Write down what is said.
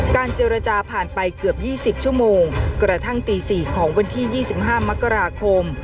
เจรจาผ่านไปเกือบ๒๐ชั่วโมงกระทั่งตี๔ของวันที่๒๕มกราคม